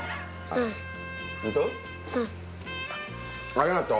ありがとう。